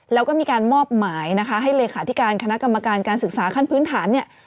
แล้วก็มีการมอบหมายนะคะให้เลขาธิการคณะกรรมการการศึกษาขั้นพื้นฐานเนี่ย